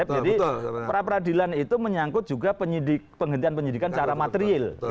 jadi peradilan itu menyangkut juga penghentian penyidikan secara material